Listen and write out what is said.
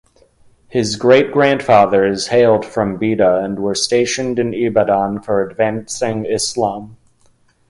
His great grandfathers hailed from Bida and were stationed in Ibadan for advancing Islam.